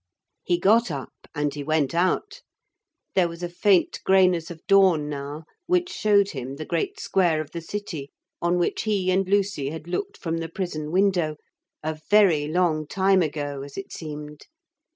He got up and he went out. There was a faint greyness of dawn now which showed him the great square of the city on which he and Lucy had looked from the prison window, a very long time ago as it seemed.